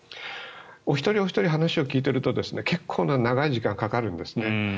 一人ひとりに話を聞いてると結構な長い時間がかかるんですね。